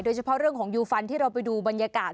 โดยเฉพาะเรื่องของยูฟันที่เราไปดูบรรยากาศ